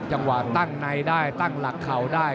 จังหวะตั้งในได้ตั้งหลักเข่าได้